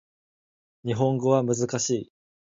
日本語は難しい